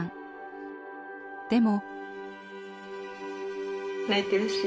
でも。